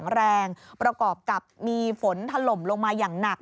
แรงประกอบกับมีฝนถล่มลงมาอย่างหนัก